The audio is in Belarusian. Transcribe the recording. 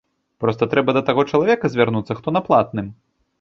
Проста трэба да таго чалавека звярнуцца, хто на платным.